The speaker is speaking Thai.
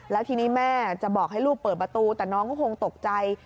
แล้วทีนี้แม่จะบอกให้ลูกเปิดประตูแต่น้องก็คงตกใจ